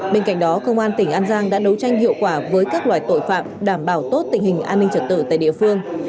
bên cạnh đó công an tỉnh an giang đã đấu tranh hiệu quả với các loại tội phạm đảm bảo tốt tình hình an ninh trật tự tại địa phương